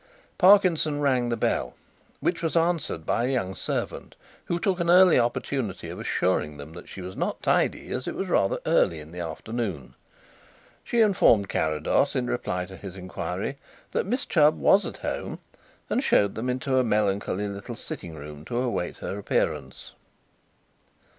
Parkinson rang the bell, which was answered by a young servant, who took an early opportunity of assuring them that she was not tidy as it was rather early in the afternoon. She informed Carrados, in reply to his inquiry, that Miss Chubb was at home, and showed them into a melancholy little sitting room to await her appearance.